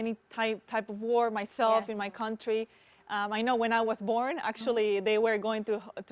saya tahu ketika saya dilahirkan sebenarnya mereka melalui waktu yang sulit